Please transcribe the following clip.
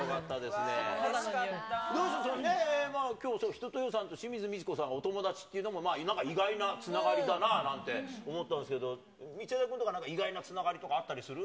一青窈さんと清水ミチコさんがお友達っていうのも、まあ意外なつながりだなって思ったんですけど、道枝君とかなんか意外なつながりとかあったりする？